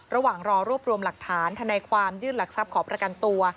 รวบรวมหลักฐานในความยื่นหลักทรัพย์ของประกันตัว